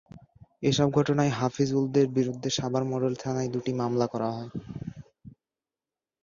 এসব ঘটনায় হাফিজুলদের বিরুদ্ধে সাভার মডেল থানায় দুটি মামলা করা হয়।